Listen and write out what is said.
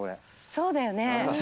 そうだよね。